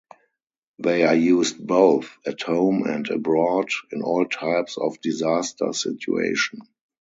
They are used both at home and abroad, in all types of disaster situation.